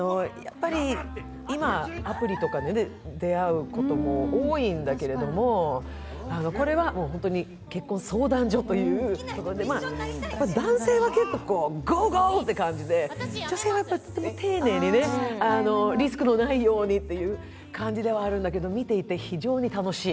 今アプリとかで出会うことも多いんだけども、結婚相談所ということで、男性は結構、ゴーゴーって感じで女性は丁寧に、リスクのないようにという感じではあるんだけれども、見ていて非常に楽しい。